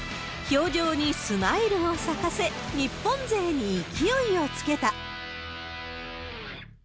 氷上にスマイルを咲かせ、日本勢に勢いをつけた。